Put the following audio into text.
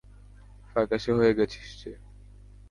ফ্যাকাশে হয়ে গেছিস যে।